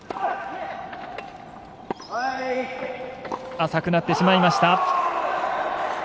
浅くなってしまいました。